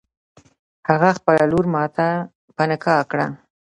هغه خپله لور ماته په نکاح کړه.